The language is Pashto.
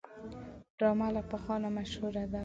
ډرامه له پخوا نه مشهوره ده